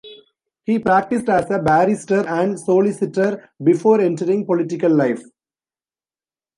He practiced as a barrister and solicitor before entering political life.